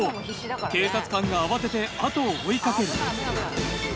警察官が慌てて後を追いかける。